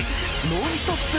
ノンストップ！